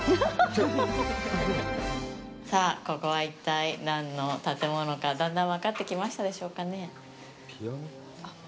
さあ、ここは、一体、何の建物か、だんだん分かってきましたでしょうかね。